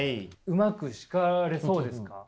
うまく叱れそうですか？